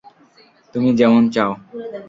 তুমি যেমন চাও।